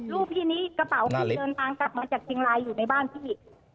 รูปที่นี้กระเป๋าเดินทางจากจริงรายอยู่ในบ้านพี่